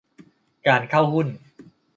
การเข้าหุ้น